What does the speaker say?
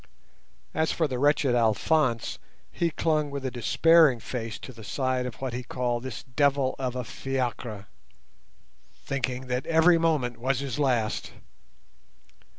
As for the wretched Alphonse, he clung with a despairing face to the side of what he called this "devil of a fiacre", thinking that every moment was his last.